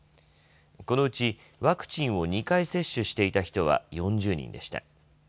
このうち、ワクチンを２回接種していた人は４０人でした。